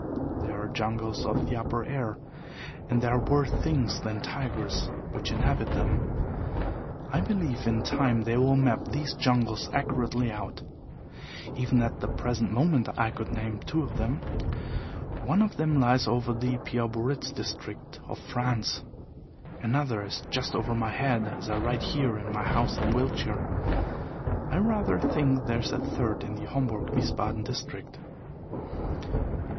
There are jungles of the upper air, and there are worse things than tigers which inhabit them. I believe in time they will map these jungles accurately out. Even at the present moment I could name two of them. One of them lies over the Pau Biarritz district of France. Another is just over my head as I write here in my house in Wiltshire. I rather think there is a third in the Homburg Wiesbaden district.